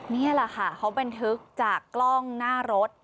นี่แหละค่ะเขาบันทึกจากกล้องหน้ารถ